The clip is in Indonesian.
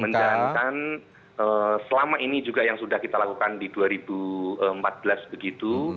menjalankan selama ini juga yang sudah kita lakukan di dua ribu empat belas begitu